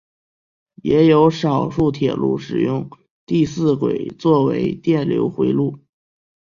也有少数铁路使用第四轨作为电流回路。